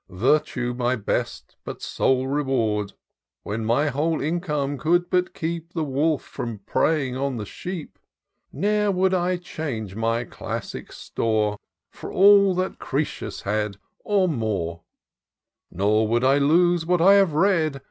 Virtue my best but sole reward; When my whole income could but keep The wolf from preying on the sheep ; Ne'er would I change my classic store For all that Crcesus had, or more ; Nor would I lose what I have read.